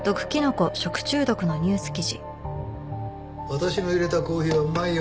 私の入れたコーヒーはうまいよ。